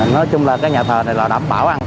nói chung là cái nhà thờ này là đảm bảo an toàn hết